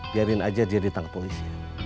biarin aja dia ditangkap polisi